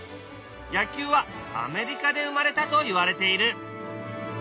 野球はアメリカで生まれたといわれている。